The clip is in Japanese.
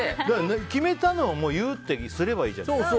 決めたのを言うってすればいいじゃん。